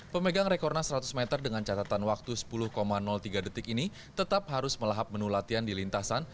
pemegang rekornas seratus meter dengan catatan waktu sepuluh tiga detik ini tetap harus melahap menu latihan di lintasan